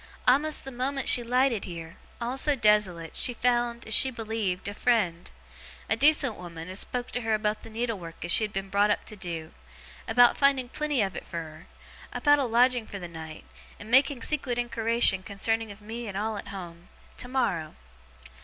A'most the moment as she lighted heer, all so desolate, she found (as she believed) a friend; a decent woman as spoke to her about the needle work as she had been brought up to do, about finding plenty of it fur her, about a lodging fur the night, and making secret inquiration concerning of me and all at home, tomorrow.